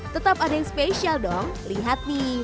tetap ada yang spesial dong lihat nih